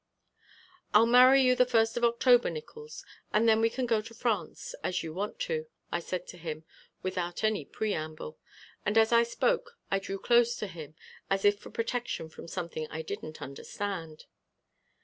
"I'll marry you the first of October, Nickols, and then we can go to France as you want to," I said to him without any preamble, and as I spoke I drew close to him as if for protection from something I didn't understand.